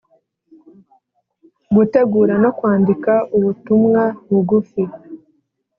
gutegura no kwandika ubutumwa bugufi